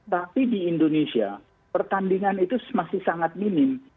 tapi di indonesia pertandingan itu masih sangat minim